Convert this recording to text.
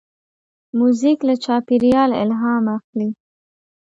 موزیک له چاپېریال الهام اخلي.